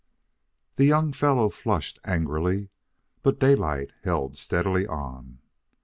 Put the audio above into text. The young fellow flushed angrily, but Daylight held steadily on.